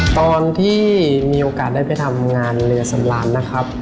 ตอนที่มีโอกาสได้ไปทำงานเรือสำราญนะครับ